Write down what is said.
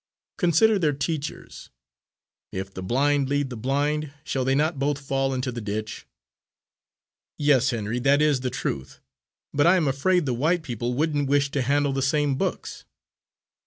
Consider their teachers if the blind lead the blind, shall they not both fall into the ditch?" "Yes, Henry, that is the truth; but I am afraid the white people wouldn't wish to handle the same books."